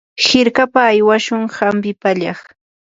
hirkapa aywashun hampi pallaq.